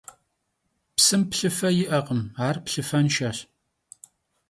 Psım plhıfe yi'ekhım, ar plhıfenşşeş.